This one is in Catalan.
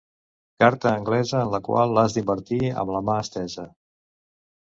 Carta anglesa en la qual has d'invertir amb la mà estesa.